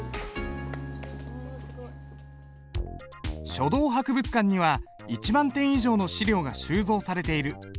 書道博物館には１万点以上の資料が収蔵されている。